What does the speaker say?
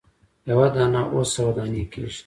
یوه دانه اووه سوه دانې کیږي.